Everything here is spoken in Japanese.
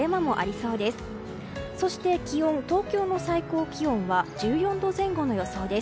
そして、気温東京の最高気温は１４度前後の予想です。